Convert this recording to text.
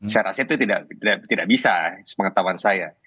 saya rasa itu tidak bisa sepengetahuan saya